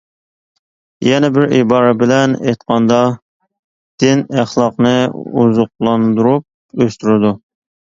يەنە بىر ئىبارە بىلەن ئېيتقاندا دىن ئەخلاقنى ئوزۇقلاندۇرۇپ ئۆستۈرىدۇ.